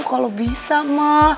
kalau bisa ma